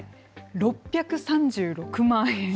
６３６万円。